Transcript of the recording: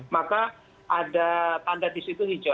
maka ada tanda di situ hijau